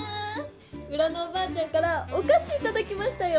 うらのおばあちゃんからおかしいただきましたよ。